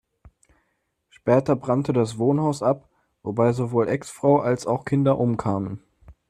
Später brannte das Wohnhaus ab, wobei sowohl Ex-Frau als auch Kinder umkamen.